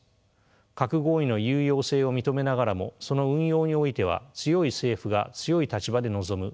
核合意の有用性を認めながらもその運用においては強い政府が強い立場で臨むという姿勢です。